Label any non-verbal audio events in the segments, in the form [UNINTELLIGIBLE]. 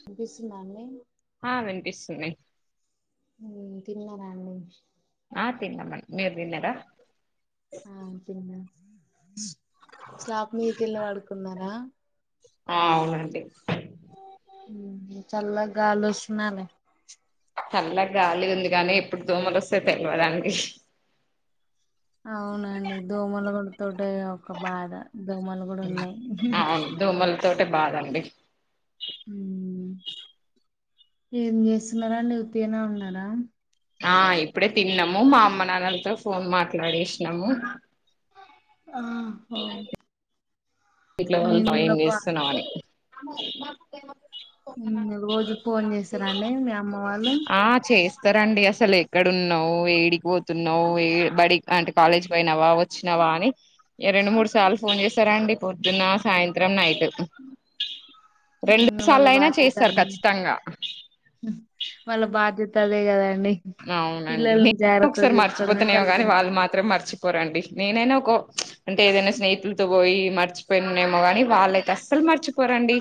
వినిపిస్తుందా అండి ఆ వినిపిస్తుంది ఉ తిన్నార అండి ఆ తిన్నాం మేమ్ మీరు దిన్నార స్లాప్ మీదికి వెళ్ళి పడుకున్నారా అ అవునంటెే ఉమ్ చల్ల గాలి వస్తుందా అండి చల్ల గాలి ఉంది గానీ ఎప్పుడు దోమలు వస్తాయో తెల్వదండి అవునండి దోమలు కుడుతుంటే ఇది ఒక బాధ దోమలు కూడా ఉన్నాయి. తొటే బాధ అండి ఉమ్ ఏం చేస్తున్నారండి ఉత్తిగానే ఉన్నారా అ ఇప్పుడే తిన్నాము మా అమ్మ నాన్నలతో ఫోన్ మాట్లాడేసినాము ఆహా హో ఇంట్లో వాళ్ళు టైం చేస్తున్నావని [UNINTELLIGIBLE] హు ఇంగా రోజు ఫోన్ చేస్తారాండి మీ అమ్మ వాళ్ళు ఆ చేస్తారండి అసలు ఎక్కడన్నావు ఏడికిపోతున్నావు ఏ బడి అంటే కాలేజ్ పోయినవా వచ్చినావా అని రెండు మూడు సార్లు ఫోన్ చేస్తారండి పొద్దున సాయంత్రం నైట్ రెండు ఉమ్ వాళ్ళ సార్లు అయినా చేస్తారు బాధ్యతని ఖచ్చితంగా హు వాళ్ళ బాధ్యత కదే కదా హా అవునండి నే ఒకసారి చూసుకోవడమే మర్చిపోతున్నానేమో గాని వాళ్ళు తల్లిదండ్రులు మాత్రం మర్చిపో పోరండి నేనైనా ఒక అంటే ఏదైనా స్నేహితులతో పోయి మర్చిపోయినేమో కాని వాళ్లైతే అస్సలు మర్చిపోరండి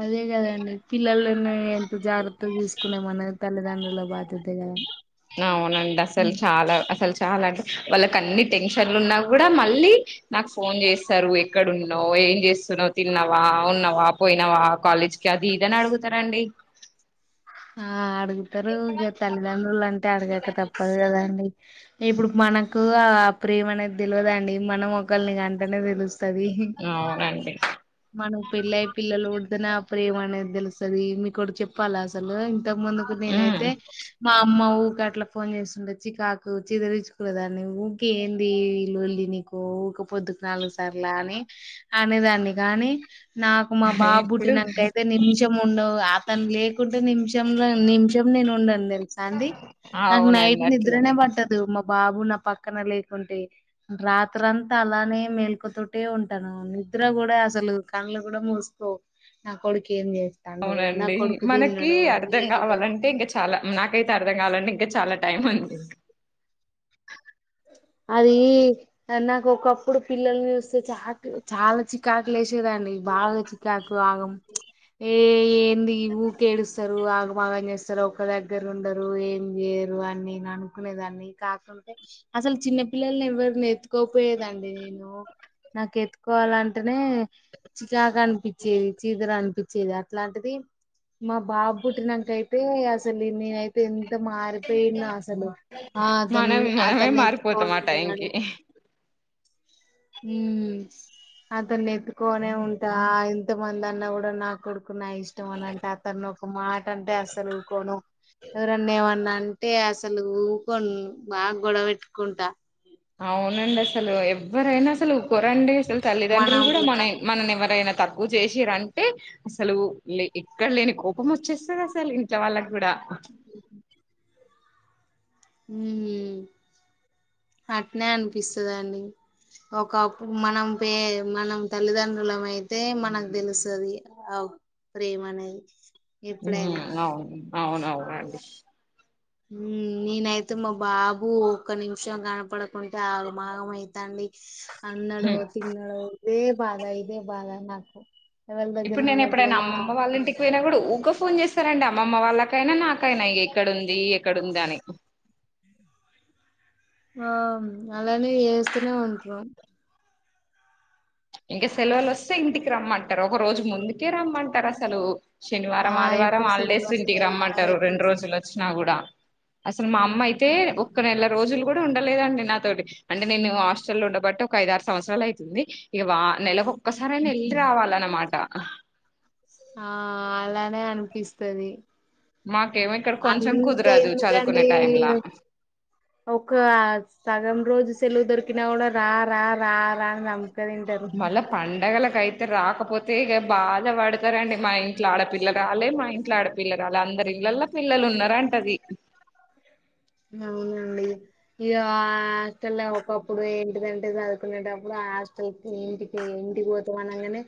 అదే కదండి పిల్లలని ఎంత జాగ్రత్త తీసుకునే మనం తల్లిదండ్రుల బాధ్య హ అవునండి అసలు చాలా అసలు చాలా అంటే వాళ్ళకి అన్ని టెన్షన్లు ఉన్నా కూడా మళ్ళీ నాకు ఫోన్ చేస్తారు ఎక్కడున్నావ్ ఏం చేస్తున్నావ్ తిన్నావా ఉన్నావా పోయినవ కాలేజ్కి అది ఇదని అడుగుతారండి ఆ అడుగు ఇద్దరు ఈ తల్లిదండులు అంత అంటే అడగక తప్పదు కదండి ఇప్పుడు మనకు ఆ ప్రేమనేది తెలియదండి మనం ఒకళ్ళని కంటనే తెలుస్తు స్తది అవునండి మనం పెళ్ళయి పిల్లలు పుడుదనే అప్పుడు ఏమనేది తెలుస్తుది తెలుస్తది మీకోటి చెప్పాలా తలే ఇంతకు ముందుకు ఉమ్ నేనైతే మా అమ్మ ఎప్పుడట్లా ఫోన్ చేస్తుండ చికాకు చిదరిచ్చుకూనే దాన్ని ఊకే ఏంది నీ లోళ్ళి నీకు ఊక పొద్దుకు నాలుగు సర్లా అని అనే దాన్ని కాని నాకు మా ఇప్పుడు బాబుట్టినాకైతే నిమిషం ఉండవు అతను లేకు నిమిషంలో నిమిషం నేను ఉండన్ వస్తాంది నాకు నైట్ అవునండి నిద్రనే అట్లనే పట్టదు మా బా బాబు నా పక్కన లేకుంటే రాత్రంతా అలానే మేల్కవతోటే ఉంటాను నిద్ర కూడా అసలు కళ్ళు కూడా మూస్కోవు నా కొడుకి ఏం చేస్తాండో నా అవునండి కొడుకు మనకి తిన్నాడు అర్ధం లేదో కావాలంటే ఇంక చాలా నాకైతే అర్థం కావాలంటే ఇంకా చాలా టైం ఉంది అది నాకు ఒకప్పుడు పిల్లల్ని చూస్తే చా చాలా చికాకు లేసేదండి బాగా చికాకు ఆగం ఏ ఏంది ఊకేడుస్తారు ఆగం ఆగం చేస్తారు ఒక దగ్గర ఉండరు ఏం చేయరు అని నేను అనుకునేదాన్ని కాకుంటే అసలు చిన్న పిల్లల్ని ఎవ్వరిని ఎత్తుకోక పోయేదాన్ని నేను నాకు ఎత్తుకోవాలంటేనే చికాకు అనిపించేది చీదర అంటూ వచ్చేది అట్లాంటిది మా బాబు పుట్టినంకైతే అసలు నేనైతే ఇప్పుడు ఎంత మారిపోయినా అసలు ఆ అతని మనం మనమే అతన్ని మారిపోతాం ఆ టైంకి హు అతన్ని ఎత్తుకొనే ఉంటా ఇంతమంది అన్న కూడా నాకొడుక్ నా కొడుకు నా ఇష్టం అని అంట అతను ఒక మాట అంటే అస్సలు ఊకోను ఎవరన్న ఏమన్నా అంటే అసలు ఊకోను బాగ్ గొడవ పెట్ పెట్టుకుంటా. అవునండి అసలు ఎవ్వరైనా అసలు ఉర్కోరండి అసలు తల్లిదండ్రులు మనం కూడా మన తన- మనని ఎవరైనా తక్కువ చేసిరంటే అసలు లే ఎక్కడ లేని కోపం వచ్చేస్తది అసలు ఇంట్లో వాళ్ళకి కూడా మ్ అట్నే అనిపిస్తదండి ఒకప్ప్ మనం పే మనం తల్లిదండ్రులం అయితే మనకు తెలుస్తుది ఆ ప్రేమ అనేది. ఎప్పుడైనా మ్ అవును. అవునవునండి. మ్ నేనైతే మా బాబు ఒక్క నిమిషం కనపడకుంటే ఆగమాగం అయితాండి. అన్నడో తిన్నాడో. ఇదే బాధ ఇదే బాధ నాకు. ఎవరి దగ్గర ఇప్పుడు నేను ఉన్నప్పుడు ఎప్పుడైనా మా అమ్మమ్మ వాళ్ళ ఇంటికి పోయినా గూడ ఊక ఫోన్ చేస్తారండి అమ్మమ్మ వాళ్ళకైనా నాకైనా ఎక్కడుంది ఎక్కడుంది అని. ఆ అలానే చేస్తూనే ఉంట్రు. ఇంకా సెలవులు వస్తే ఇంటికి రమ్మంటారు ఒక రోజు ముందుకే రమ్మంటారు అసలు. ఆ శనివారం ఆదివారం ఎప్పుడు సెలవులు హాలిడేస్ ఇంటికి వస్తాయా రమ్మంటారు ఎప్పుడు రెండు రోజులు వచ్చినా గూడ. అసలు మా అమ్మ అయితే ఒక్క నెల రోజులు గూడ ఉండలేదండి నాతోటి అంటే నేను హాస్టల్ లో ఉండబట్టి ఒక ఐదారు సంవత్సరాలు ఐతుంది. ఇగ వా నెలకో ఒకసారి అయినా వెళ్ళి రావాలన్నమాట. అహ్ ఆ అలానే అనిపిస్తది. మాకేమో ఇక్కడ కొంచెం కుదరదు చదువుకునే అంతెందుకండి టైంలా ఒక సగం రోజు సెలవు దొరికినా గూడ రా - రా - రా - ప్రాణం మళ్ళ పండగలక్ ఇట్లైతే రాకపోతే ఇక బాధ పడతారండి మా ఇంట్ల ఆడపిల్ల రాలే మా ఇంట్ల ఆడపిల్ల రాలే అందరి ఇళ్లల్ల పిల్లలు ఉన్నారంటది. అవునండి ఇగ హాస్టల్ల ఒకప్పుడు ఏంటిదంటే సదువుకునేటప్పుడు ఆ హాస్టల్కి ఇంటికి ఇంటికి పోతం అనగానే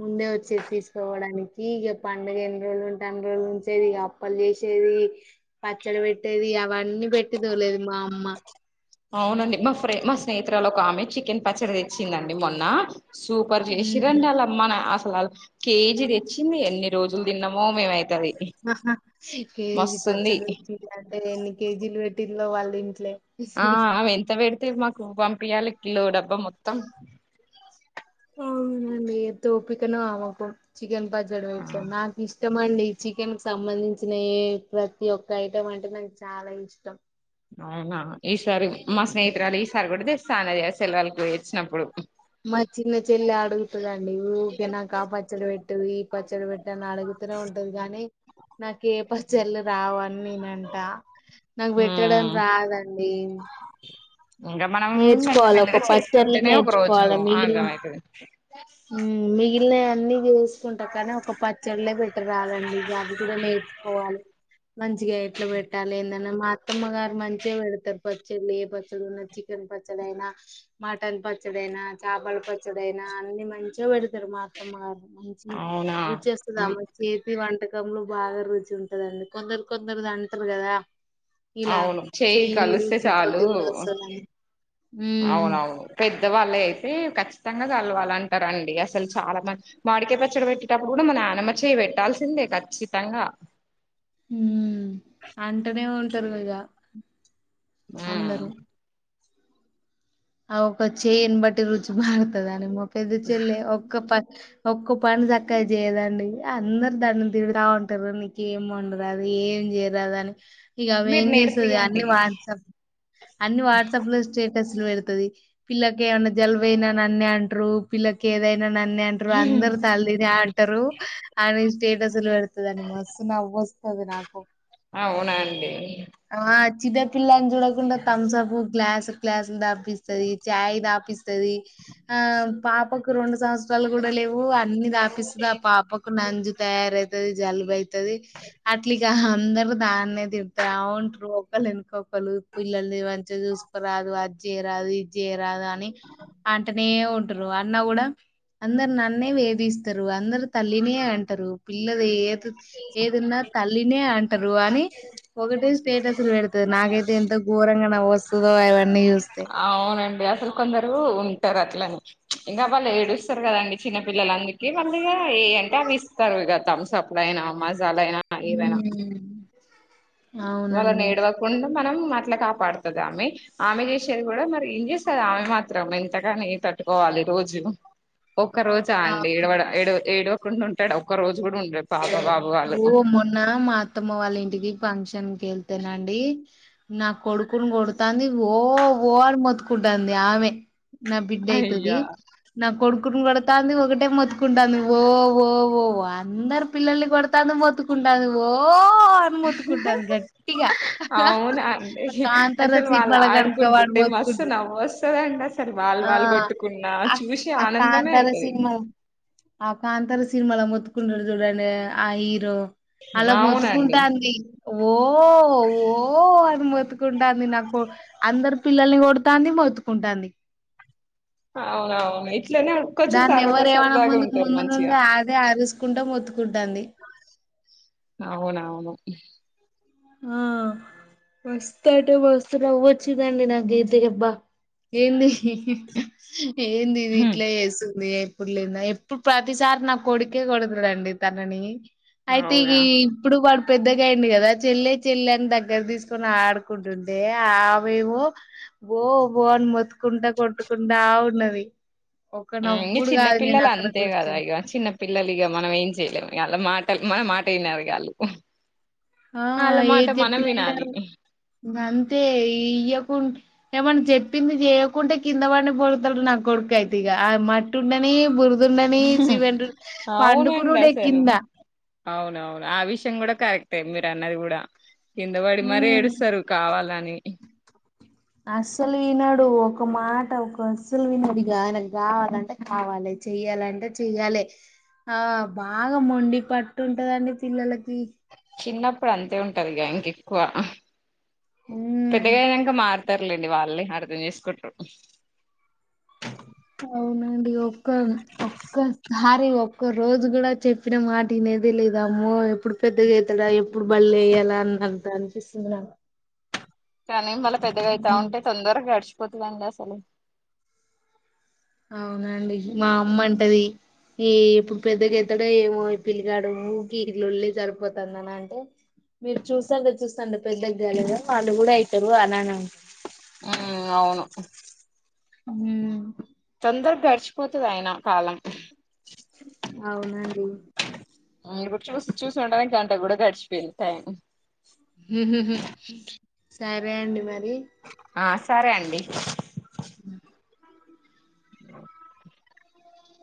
ముందే వచ్చేది తీసుకోవడానికి ఇగ పండుగ ఎన్ని రోజులు ఉంటే అన్ని రోజులు ఉంచేది ఇగ అప్పలు చేసేది పచ్చడి పెట్టేది అవన్నీ పెట్టిద్దో లేదో మా అమ్మా. అవునండి మా ఫ్రె మా స్నేహిరాలు ఒక ఆమె చికెన్ పచ్చడి తెచ్చిందండి మొన్న. సూపర్ ఉమ్. చేసిర్రండి వాళ్ళమ్మా న అస లా కేజీ తెచ్చింది ఎన్ని రోజులు తిన్నామో మేమై అహ కేజీ మస్తుంది పచ్చడి పెట్టిల్లంటే అంటే ఎన్ని కేజీలు పెట్టి లో వాళ్లింట్లే. ఆ ఆమె ఎంత పెద్త్ - తే మాకు పంపియాలి కిలో డబ్బా మొత్తం అ అవును అండి ఎంత ఓపికనో ఆమెకు - గెంపా జడు వ ఇయి ఆ నాకు ఇష్ట ఇష్టం అండి చికెన్ కు సంబంధించిన ఏ ప్రతి ఒక్క ఐటెం అంటే నాకు చాలా ఇష్టం అవునా - సారి మా స్నేహితురాలు ఈసారి కూడా తెస్ - సానేదే సెలవులకి వచ్చినప్పుడు మా చిన్న చెల్లి అడుగుతుదండి ఊకె నాక ఆ పచ్చడ పెట్టి ఈ పచ్చడ పెట్టు అని అడుగుతూనే ఉంటది గానీ నాకూ ఏ పచ్చళ్లు రావా నేనంట నాకు పెట్టడం మ్మ్ రాదండి ఇంకా మనం మెల్ల నేర్చుకోవాలి మెల్లగా ఒక పచ్చళ్ళు చేసుకుంటేనే ఒక రోజు నేర్చుకోవాలి ఆగం మిగిలిన అయితది మ్మ్ మిగిలినవి అన్నీ చెస్ - చూసుకుంటా కానీ ఒక పచ్చళ్లే పెట్టరాదు అండి అవి కూడా నేర్చుకోవాలి మంచిగా ఎట్లా పెట్టాలి ఏంది అనీ మా అత్తమ్మ గారు మంచిగా పెడతారు పచ్చళ్ళు ఏ పచ్చళ్ళు ఉన్న చి - చికెన్ పచ్చడి అయినా మటన్ పచ్చడి అయినా చాపలా పచ్చడి అయినా అన్ని మంచిగా పెడతారు మా అత్తమ్మగారు మంచి అవునా రుచి వస్తది ఉమ్, ఆమె చేతి వంట రకంలో బాగా రుచి ఉంటందండి కొందరు కొందరుది అంటారు కదా ఇలా అవును చెయి చెయ్యి కలిస్తే రుచి చాలు తోటి కూడా వస్తదని మ్మ్ అవునువును పెటి పెద్దవాళ్లే అయితే ఖచ్చితంగా కలవాలి అంటారండి అసలు చాలా మంది మాడికాయ పచ్చడి పెట్టేటప్పుడు కూడా మా నాన్నమ్మ చేయి పెట్టాల్సిందే ఖచ్చితంగా హ్మ్ అంటనే ఉంటారు ఈగ హ్మ్ ఒక చెయ్ని బట్టి రుచి మార్తదా ని పెద్ద చెల్లె ఒక్క పన్ ఒక్క పని చక్కగా చేయదండి అందరు దాన్ని తిడ్తా ఉంటరు నీకేం వండరాదు ఏం చేయరాదు అని ఇగ ఆమె మీరు ఏం చేస్తది అన్ని నేర్పియండి వాట్సాప్ అన్ని వాట్సాప్ లో స్టే టస్లు పెడ్ ది పిల్లకి ఏమ్మన్న జల్బు అయిన నన్నే అంట్రు పిల్లకి ఏదై నన్నే అంటారు అందరు తల్లి నే అంటరు ఆమె స్టేటస్లు పెడతుంది అని మస్తు నవ్వొస్ స్తది నాకు అవునా అండీ. ఆ చిన్న పిల్లాని చూడకుండా తంసపూ గ్లాస్. క్లాస్ తాపీ అది చాయ్ దాపిస్త స్తది ఆ పాపకు రెండు సంవత్సరాలు కూడా లేవు అన్ని తాపిస్తది ఆ పాపకు నంజు తయారైతుది జలుబు అయితుది అట్లా ఇగ అందరు దానినే తిడుతారు అవును రోకల్ పిల్లల్ని మంచిగా చూసుకోరాదు అ రాదు ఇది చేయారాదు అని అంటనే ఉంటారు అన్న కూడా అందరు నన్నే వేధిస్తారు అందరు తల్లినే అంటారు పిల్లది ఏ ఏదున్నా తల్లినే అంటారు అని ఒకటే స్టేటస్లు పెడతది నాకైతే ఎంత ఘోరంగా నవ్వు వస్తదో అవన్నీ చూస్తే అవునండి అసలు కొందరు ఉంటారు అట్లనే ఇంకా వాళ్ళు ఏడుస్తారు కదండి చిన్నపిల్లలందుకీ మళ్ళీ ఇగ ఎ అంటే అవి ఇస్తారు ఇగ థంబ్ అప్ డైన మస్ జాలైనా ఏవైనా ఉమ్ వాళ్ళను అవునండి ఏడవకుండా మనం అట్లా కాపాడుతది ఆమె ఆమె చేసేది కూడా మరి ఏం చేస్తారు ఆమె మాత్రం ఎంతగాన ఎ తట్టుకోవాలి రోజు ఒక్క రోజా అండి అవును ఏడవడం ఏ ఏడు కుం ఉంటడా ఒక్కరోజు కూడా ఉండడు పాపం ఓ మొన్న మా అత్తమ్మ వాళ్ళ ఇంటికి ఫంక్ష న్ కెళ్తేనండి నా కొడుకుని కొడుతాంది ఓ ఓ అని మోత్తుకుంటాంది ఆమె నా బిడ్డైయితది అయ్యా నా కొడు ను కోడతాంది ఒకటే మొత్ కుంటాంది ఓ ఓ ఓ అందరు పిల్లల్ని కొడ్ తను మొత్తుకుంటాంది వో అవునా అండి కాంతార అసలు వాళ్ళు సినిమాల గనుక వాడు ఆడుకుంటుంటే మస్తు మొత్తుకుంటడు నవ్వు వస్తుందండి అసలు వాళ్ళు ఆ వాళ్ళు కొట్టుకున్నా ఆ చూసి ఆ ఆనందమే కాంతార అయితది సినిమాల మోతుకుంటడు చూడండి ఆ హీరో అలా అవునండి మొత్తుకుంటాంది ఓ ఓ అని మోత్తుకుంటాంది నాకు అందరు పిల్లల్ని కొడుతంది మోత్తుకుంటాంది అవును అవునీ దాన్ని ఎవరు ఏం ఆనకముందుకు ముందు నుండే అదే అరుస్ కుండ మూతు అవునువును ఆ మస్త్ అంటే మస్తు నవ్వు వచ్చిందండి నాకైతే అబ్బా ఏంది ఏందిది ఇట్లా ఏసు ఎప్పుడు లేద ఎప్పుడు ప్రతిసారి నా కొడుకే కొడతడండి తనని అయితే ఈ అవునా ఇప్పుడు వాడ్ పెద్దగా అయ్యిండు కదా చెల్లె చెల్లె అని దగ్గర తీసుకొని ఆడుకుంటుంటే ఆమెమో బో బో అని మొత్తుకుంటా కొట్టుకుంటా ఉన్నది ఒక ఆ ఇంగ నవ్వుడు చిన్న కాదు నేను పిల్లలు అక్కడ అంతే కదా కూర్చుని ఇగ చిన్న పిల్లలు ఇగ మనం ఏం చేయలేము ఇగ ఆల్లా మాటలు మన మాటే ఇనరు ఇగ ఆళ్ళు ఆ ఆళ్ళ మాట ఏది మనం చెప్పిన వినాలి వినరు ఏమన్నా చెప్పింది చేయకుంటే కింద పండి బోర్రుతాడు నా కొడుకు అయితే ఇగ మట్టుండనీ బుర్ అవునండి అసలు కింద అవునవును ఆ విషయం కూడా కరెక్ టే మీరు అన్నది కూడా కింద పడి మరి ఉమ్ ఏడుస్తారు కావాలని ఎ అస్సలు ఇనడు ఒక మాట ఒక అస్సలు వినడు ఇగ ఆయనకు కావాలంటే కావాలె చెయ్యాలంటే చెయ్యాలె ఆ బాగా మొండి పట్టుంటదండి పిల్లలకి చిన్నప్పుడు అంతే ఉంటది గా ఇంకిప్ కువ ఉమ్ పెద్దగయినంక మార్త తరులేండి వాళ్లే అర్దం చేసుకుంట్రూ అవునండి ఒక్క ఒక్కసారి ఒక్క రోజు కూడా చెప్పిన మాటినేదే లేదు అమ్మో ఎప్పుడు పెద్దగాతాడా ఎప్పుడు బళ్ళో ఎయ్యలా అన్నది అనిపిస్తుంది నాకు కానీ మళ పెద్దగా అవుతా హ్మ్. ఉంటే తొందరగా గడిశి పో పొతు లాండసలు అవునండి మా అమ్మ అంటది ఈ ఎప్పుడు పెద్దగయితాడో ఏమో పిలిగాడు కీలొల్లి సరిపోతుంది అని అంటే మీరు చూస్తంగా చూస్తాంగా పెద్దగాలేదా వాళ్ళు కూడా అయితారు అనినండి మ్మ్ అవును ఉ తొందరగ గడిచిపోతది అయినా కాలం అవునండి కూడా చూసి చూసి ఉండగా గంట కూడా గడిచిపోయింది టైమ్ హు హు హు సరే అండి మరి ఆ సరే అండి ఉ